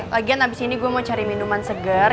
lagian abis ini gue mau cari minuman segar